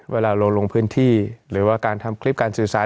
เวลาเราลงพื้นที่หรือว่าการทำคลิปการสื่อสาร